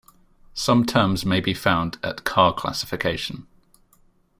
Some terms may be found at car classification.